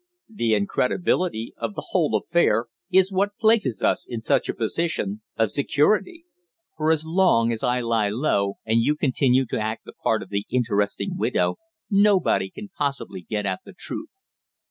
The incredibility of the whole affair is what places us in such a position of security; for as long as I lie low and you continue to act the part of the interesting widow, nobody can possibly get at the truth."